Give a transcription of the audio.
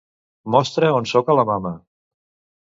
Mostra on soc a la mama.